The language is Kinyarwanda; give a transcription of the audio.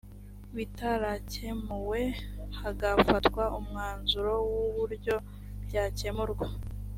bitarakemuwe hagafatwa umwanzuro w uburyo byakemurwa